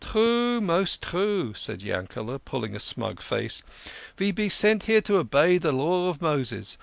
"True most true," said Yankele, pulling a smug face. " Ve be sent here to obey de Law of Moses.